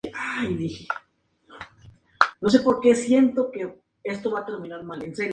Aunque Kay la convence de que realmente ama a Jerry, la Sra.